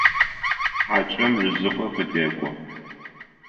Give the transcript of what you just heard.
Хьакӏэм рызыкъыр къыдэкӏо.